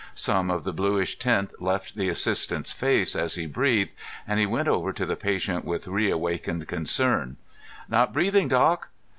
Some of the bluish tint left the assistant's face as he breathed and he went over to the patient with reawakened concern. "Not breathing, Doc!"